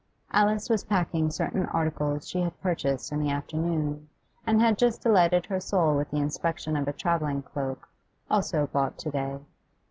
Alice was packing certain articles she had purchased in the afternoon, and had just delighted her soul with the inspection of a travelling cloak, also bought to day.